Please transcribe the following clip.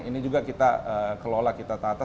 ini juga kita kelola kita tata